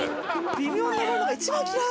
微妙に登るのが一番嫌い。